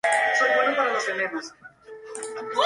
Estos partidos, sin embargo, se negaron a integrarse.